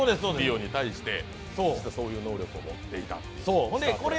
ディオに対してそういう能力を持っていたっていう。